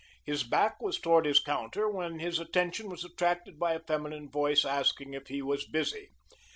His back was toward his counter when his attention was attracted by a feminine voice asking if he was busy.